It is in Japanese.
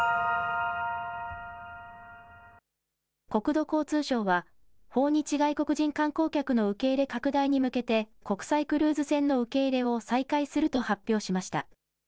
国土交通省は訪日外国人観光客の受け入れ拡大に向けて国際クルーズ船の受け入れを再開すると発表しました。